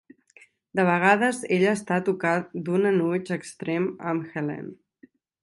De vegades ella està a tocar d'un enuig extrem amb Helene.